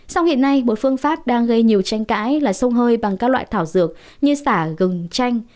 sông hiện nay một phương pháp đang gây nhiều tranh cãi là sông hơi bằng các loại thảo dược như xả gừng tranh